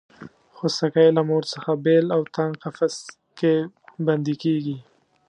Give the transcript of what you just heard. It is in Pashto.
خوسکی له مور څخه بېل او تنګ قفس کې بندي کېږي.